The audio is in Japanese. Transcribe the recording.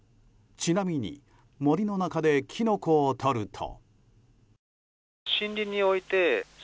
ちなみに、森の中でキノコを採ると。